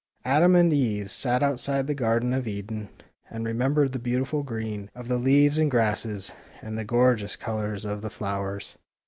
Adam and Eve sat outside the Garden of Eden and remembered th'^ beautiful green of the leaves and grasses, and the gorgeous col ours of the flowers.